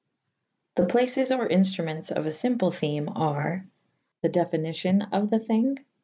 The places or instrumentes of a lymple theme ar. The definicion of the thyng.